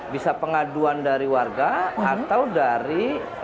bisa pengaduan dari warga atau dari